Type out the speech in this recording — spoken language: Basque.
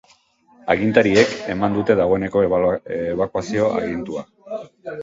Agintariek eman dute dagoeneko ebakuazio agintua.